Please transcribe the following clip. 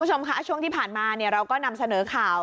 คุณผู้ชมค่ะช่วงที่ผ่านมาเราก็นำเสนอข่าว